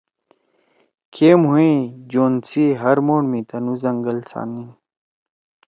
کہ مھو یے ژوند سی ہر موڑ می تنو زنگل سات نین۔